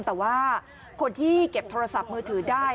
แต่ว่าคนที่เก็บโทรศัพท์มือถือได้